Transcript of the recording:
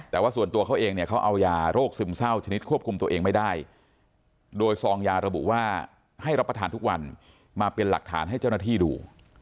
แต่ว่าส่วนตัวเขาเองเนี่ยเขาเอายาโรคซึมเศร้าชนิดควบคุมตัวเองไม่ได้โดยซองยาระบุว่าให้รับประทานทุกวันมาเป็นหลักฐานให้เจ้าหน้าที่ดู